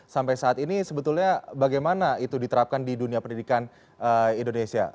sampai saat ini sebetulnya bagaimana itu diterapkan di dunia pendidikan indonesia